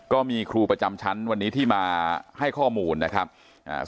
ก็มีครูประจำชั้นวันนี้ที่มาให้ข้อมูลนะครับอ่า